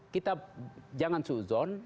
kita jangan suzon